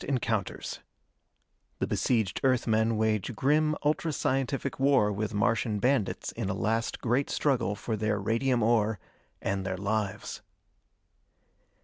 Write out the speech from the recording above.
] [Sidenote: The besieged Earth men wage grim, ultra scientific war with Martian bandits in a last great struggle for their radium ore and their lives.